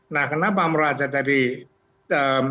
nah kenapa moral hajat tadi bisa dilakukan